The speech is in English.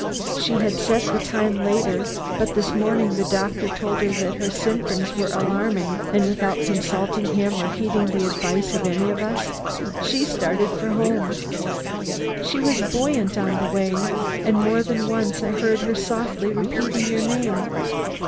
She had set the time later, but this morning the doctor told her that her symptoms were alarming, and without consulting him or heeding the advice of any of us, she started for home. She was buoyant on the way, and more than once I heard her softly repeating your name.